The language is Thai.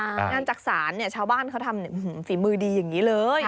งานจักษานเนี่ยชาวบ้านเขาทำฝีมือดีอย่างนี้เลย